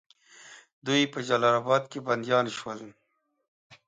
دوی په جلال آباد کې بندیان شول.